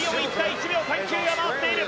１秒３９上回っている。